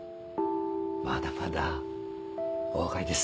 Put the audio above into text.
まだまだお若いです。